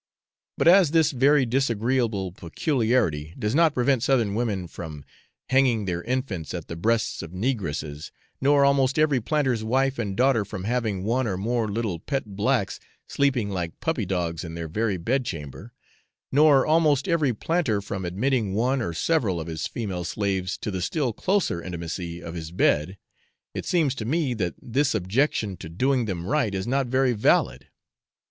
But as this very disagreeable peculiarity does not prevent Southern women from hanging their infants at the breasts of negresses, nor almost every planter's wife and daughter from having one or more little pet blacks sleeping like puppy dogs in their very bedchamber, nor almost every planter from admitting one or several of his female slaves to the still closer intimacy of his bed it seems to me that this objection to doing them right is not very valid.